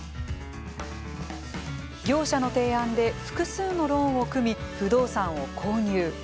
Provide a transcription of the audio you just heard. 業者の提案で複数のローンを組み不動産を購入。